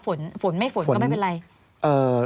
ฝนฝนไม่ฝนก็ไม่เป็นไร